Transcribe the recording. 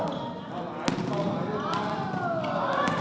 สุดท้ายสุดท้ายสุดท้าย